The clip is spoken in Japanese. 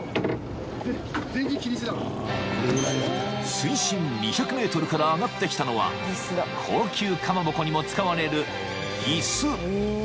［水深２００ｍから揚がってきたのは高級かまぼこにも使われるギス］